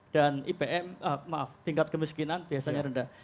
dan tingkat kemiskinan biasanya rendah